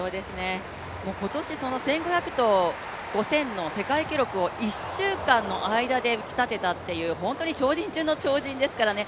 今年その１５００と５０００の世界記録を１週間の間で打ちたてたという本当に超人中の超人ですからね。